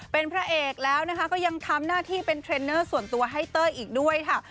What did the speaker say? เป็นพระเอกแล้วนะคะก็ยังทำหน้าที่เป็นเทรนเนอร์ส่วนตัวให้เต้ยอีกด้วยค่ะ